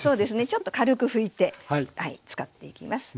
ちょっと軽く拭いて使っていきます。